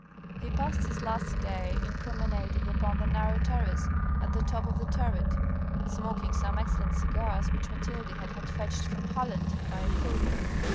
He passed his last day in promenading upon the narrow terrace at the top of the turret, smoking some excellent cigars which Mathilde had had fetched from Holland by a courier.